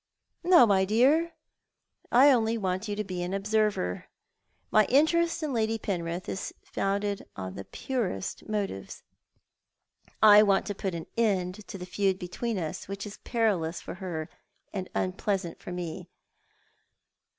" "No, my dear; I only want you to be an observer. My interest in Lady Penrith is founded on the purest motives. I want to put an end to the feud between us, which is perilous for her and unple isant for me.